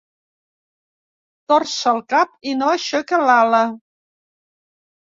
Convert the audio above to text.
Torça el cap i no aixeca l'ala.